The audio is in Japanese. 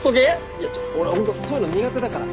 いや俺ホントそういうの苦手だから。